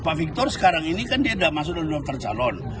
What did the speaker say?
pak victor sekarang ini kan dia udah masuk dalam daftar calon